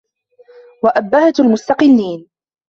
وَأُبَّهَةَ الْمُسْتَقِلِّينَ